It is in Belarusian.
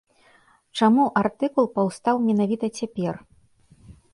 Чаму артыкул паўстаў менавіта цяпер?